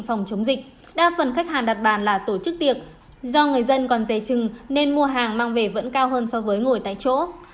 phòng chống dịch đa phần khách hàng đặt bàn là tổ chức tiệc do người dân còn dè trừng nên mua hàng mang về vẫn cao hơn so với ngồi tại chỗ